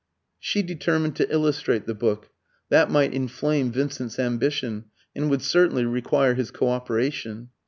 She determined to illustrate the book: that might inflame Vincent's ambition, and would certainly require his co operation.